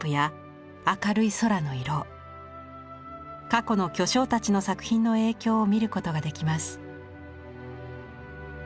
過去の巨匠たちの作品の影響を見ることができます。